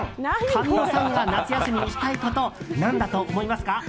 神尾さんが夏休みにしたいこと何だと思いますか？